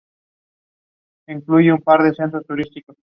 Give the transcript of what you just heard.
Ello explica el hacinamiento de las casas alrededor del puerto.